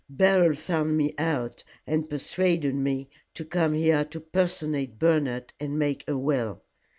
Beryl found me out, and persuaded me to come here to personate Bernard, and make a will.